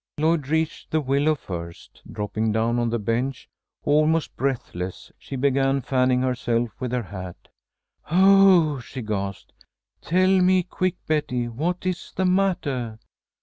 Lloyd reached the willow first. Dropping down on the bench, almost breathless, she began fanning herself with her hat. "Oh!" she gasped. "Tell me quick, Betty! What is the mattah?